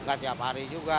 bukan tiap hari juga